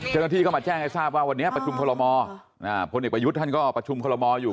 เชิญละที่เขามาแจ้งให้ทราบว่าวันนี้ประชุมโครมอล์คนอีกประยุทธ์ท่านก็ประชุมโครมอล์อยู่